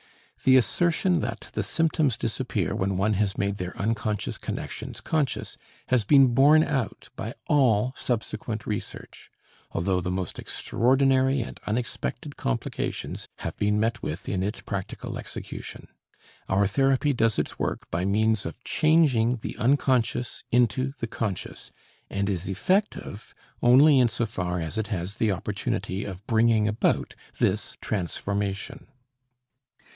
The assertion that the symptoms disappear when one has made their unconscious connections conscious, has been borne out by all subsequent research, although the most extraordinary and unexpected complications have been met with in its practical execution. Our therapy does its work by means of changing the unconscious into the conscious, and is effective only in so far as it has the opportunity of bringing about this transformation.